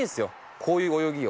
こういう泳ぎを。